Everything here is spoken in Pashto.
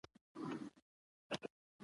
ژبه د همږغی زیری دی.